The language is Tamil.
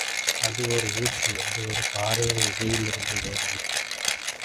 அது ஒர் ஊற்று அது ஒரு பாறையின் இடையிலிருந்து ஓடியது.